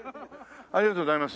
ありがとうございます。